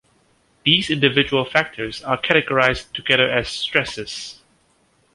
These individual factors are categorized together as stresses.